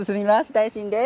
大進です。